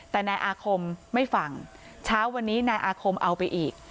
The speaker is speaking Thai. แต่นายอาคมไม่ฟังเช้าวันนี้นายอาคมเอาไปอีก